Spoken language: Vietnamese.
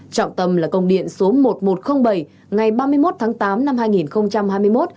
trọng tâm là công điện số một nghìn một trăm linh bảy ngày ba mươi một tháng tám năm hai nghìn hai mươi một